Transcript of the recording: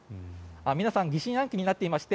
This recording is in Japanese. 皆さん疑心暗鬼になっていました。